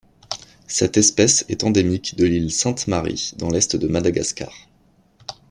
Cette espèce est endémique de l'île Sainte-Marie dans l'Est de Madagascar.